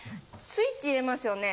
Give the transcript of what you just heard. スイッチ入れますよね。